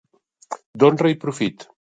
D'honra i profit.